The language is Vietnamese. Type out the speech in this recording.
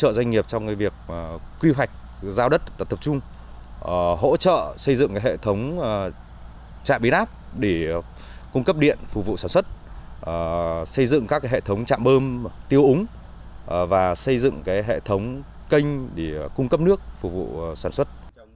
hỗ trợ doanh nghiệp trong việc quy hoạch giao đất tập trung hỗ trợ xây dựng hệ thống trạm biến áp để cung cấp điện phục vụ sản xuất xây dựng các hệ thống trạm bơm tiêu úng và xây dựng hệ thống kênh để cung cấp nước phục vụ sản xuất